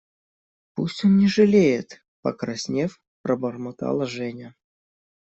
– Пусть он не жалеет, – покраснев, пробормотала Женя.